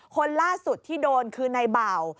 คนล่าสุดที่โดนคือนายบ่าว